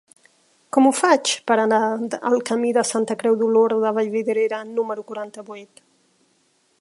Com ho faig per anar al camí de Santa Creu d'Olorda a Vallvidrera número quaranta-vuit?